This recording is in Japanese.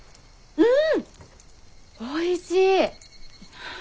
うん。